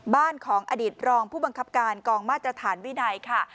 บ้านของอดีตรองผู้บังคับการกองมาตรฐานวินัยค่ะ